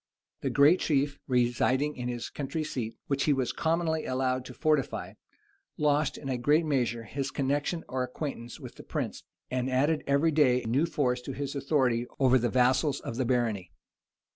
The great chief, residing in his country seat, which he was commonly allowed to fortify, lost, in a great measure, his connection or acquaintance with the prince, and added every day new force to his authority over the vassals of the barony.